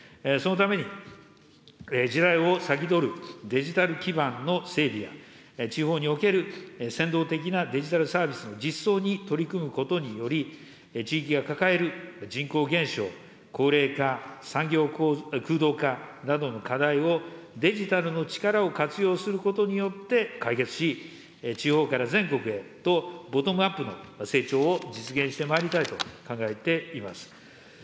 そのために、時代を先取るデジタル基盤の整備や地方における先導的なデジタルサービスの実装に取り組むことにより、地域が抱える人口減少、高齢化、産業空洞化などの課題を、デジタルの力を活用することによって解決し、地方から全国へとボトムアップの成長を実現してまいりたいと考えています。